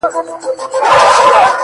• تش په نامه دغه ديدار وچاته څه وركوي،